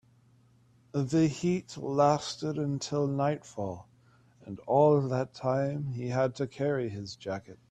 The heat lasted until nightfall, and all that time he had to carry his jacket.